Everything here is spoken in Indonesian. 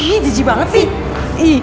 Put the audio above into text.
ih jijik banget sih